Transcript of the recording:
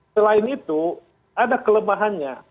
selain itu ada kelemahannya